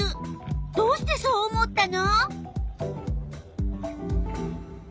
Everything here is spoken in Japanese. どうしてそう思ったの？